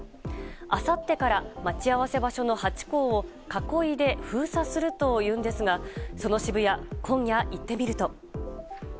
あさってから待ち合わせ場所のハチ公を囲いで封鎖するというんですがその渋谷に今夜、行ってみると。